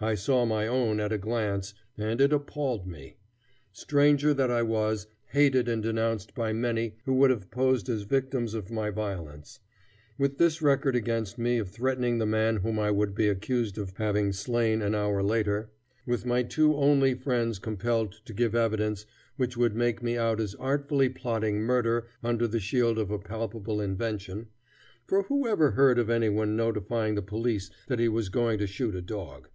I saw my own at a glance, and it appalled me. Stranger that I was, hated and denounced by many who would have posed as victims of my violence; with this record against me of threatening the man whom I would be accused of having slain an hour later; with my two only friends compelled to give evidence which would make me out as artfully plotting murder under the shield of a palpable invention for who ever heard of any one notifying the police that he was going to shoot a dog?